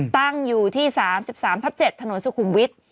ตั้งอยู่ที่๓๓ทับ๗ถนนสุขุมวิทย์